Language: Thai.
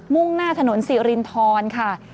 ่งหน้าถนนสิรินทรค่ะ